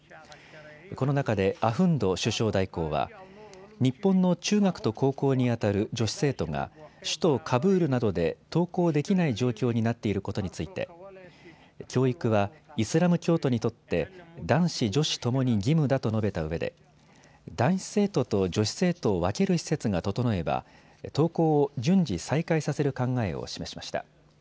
この中でアフンド首相代行は日本の中学と高校にあたる女子生徒が首都カブールなどで登校できない状況になっていることについて教育はイスラム教徒にとって男子、女子ともに義務だと述べたうえで男子生徒と女子生徒を分ける施設が整えば登校を順次再開させる考えを示しました。